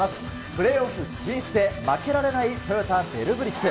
プレーオフ進出へ、負けられないトヨタヴェルブリッツ。